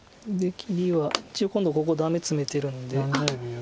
切りは一応今度ここダメツメてるので。